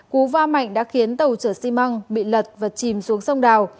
cú va mạnh đã khiến tàu chở xi măng bị lật và chìm xuống sông đào